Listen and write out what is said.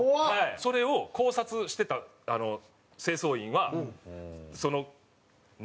それを考察してた清掃員は。